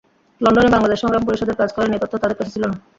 লন্ডনে বাংলাদেশ সংগ্রাম পরিষদের কাজ করেন—এ তথ্যও তাদের কাছে ছিল না।